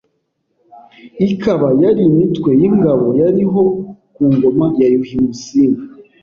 ikaba yari imitwe y’ingabo yariho ku ngoma ya Yuhi Musinga